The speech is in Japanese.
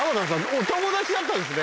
お友達だったんですね。